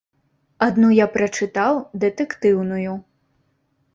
Адну я прачытаў, дэтэктыўную.